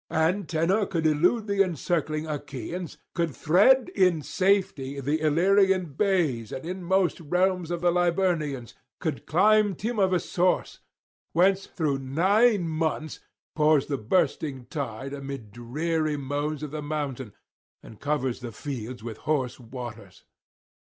Antenor could elude the encircling Achaeans, could thread in safety the Illyrian bays and inmost realms of the Liburnians, could climb Timavus' source, whence through nine mouths pours the bursting tide amid dreary moans of the mountain, and covers the fields with hoarse waters.